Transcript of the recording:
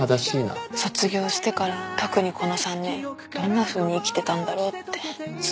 卒業してから特にこの３年どんなふうに生きてたんだろうって。